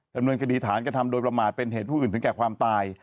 ดำเนินคดีฐานกระทำโดยประมาทเป็นเหตุผู้อื่นถึงแก่ความตาย